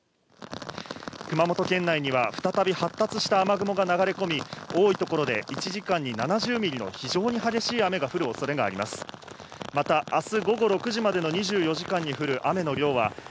熊本県内には再び発達した雨雲が流れ込み、多い所で１時間に７０ミリの非常に激しい雨が降るおそれがあります。